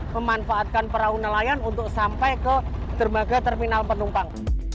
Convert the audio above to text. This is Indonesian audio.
memanfaatkan perahu nelayan untuk sampai ke dermaga terminal penumpang